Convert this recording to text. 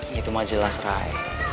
gitu mah jelas rai